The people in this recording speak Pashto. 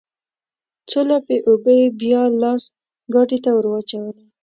څو لپې اوبه يې بيا لاس ګاډي ته ورواچولې.